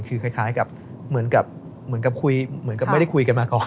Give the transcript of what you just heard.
คือคล้ายเหมือนกับคุยไม่ได้คุยกันมาก่อน